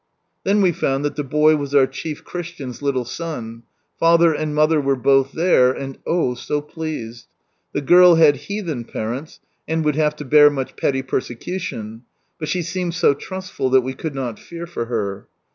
Then we found that the boy was our chief Christian's litde son, Father and mother were both there, and oh ! so pleased. The girl had heathen parents, and would have to bear much petty persecution ; but she seemed so trustful, that we could not fear for her.